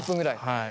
はい。